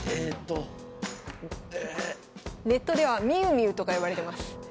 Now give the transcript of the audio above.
ネットでは「みうみう」とか呼ばれてます。